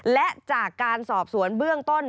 และจากการสอบสวนเบื้องต้น